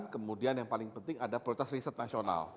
kemudian yang paling penting ada prioritas riset nasional